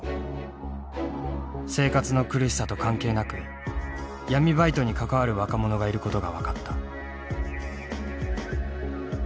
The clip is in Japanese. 生活の苦しさと関係なく闇バイトに関わる若者がいることが分かった。